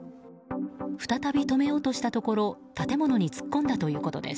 再び止めようとしたところ建物に突っ込んだということです。